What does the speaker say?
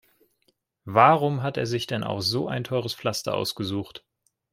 Warum hat er sich denn auch so ein teures Pflaster ausgesucht?